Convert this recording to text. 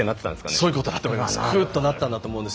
そういうことだと思います。